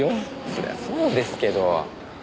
そりゃそうですけど。